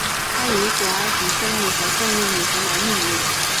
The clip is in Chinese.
它以古埃及真理和正义女神来命名。